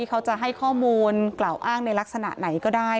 เขาจะให้ข้อมูลกล่าวอ้างในลักษณะไหนก็ได้